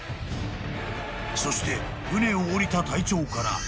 ［そして船を降りた隊長から］